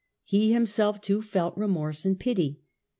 He himself, too, felt remorse and pity.